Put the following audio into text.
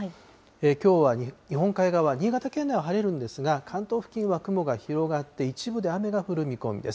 きょうは日本海側、新潟県内は晴れるんですが、関東付近は雲が広がって、一部で雨が降る見込みです。